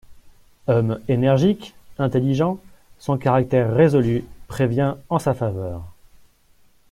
Homme énergique, intelligent, son caractère résolu prévient en sa faveur.